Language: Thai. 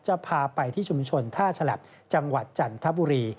จะพาไปที่ชุมชนท่าฉลับจังหวัดจันทบุรี